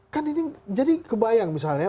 kan ini jadi kebayang misalnya